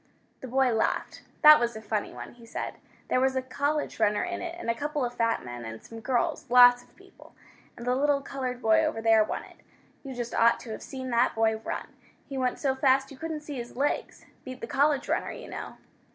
The boy laughed. "That was a funny one," he said. "There was a college runner in it, and a couple of fat men, and some girls lots of people. And the little colored boy over there won it. You just ought to have seen that boy run! He went so fast you couldn't see his legs. Beat the college runner, you know."